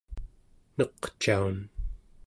neqcaun